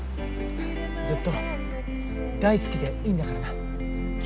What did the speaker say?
ずっと大好きでいいんだからな。